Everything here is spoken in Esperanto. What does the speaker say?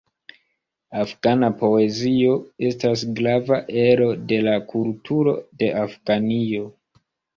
Afgana poezio estas grava ero de la kulturo de Afganio.